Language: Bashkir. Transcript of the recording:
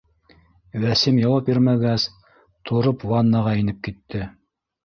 Вәсим яуап бирмәгәс, тороп, ваннаға инеп китте